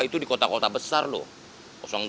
itu di kota kota besar loh